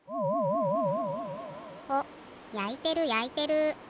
やいてるやいてる。